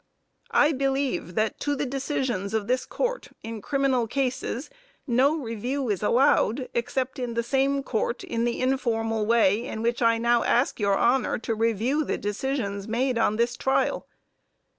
I believe that to the decisions of this court, in criminal cases, no review is allowed, except in the same court in the informal way in which I now ask your honor to review the decisions made on this trial.